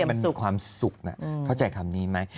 มันมีความสุขนะเข้าใจคำนี้ไหม